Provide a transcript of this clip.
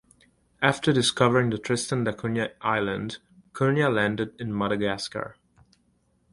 After discovering the Tristan da Cunha Islands, Cunha landed in Madagascar.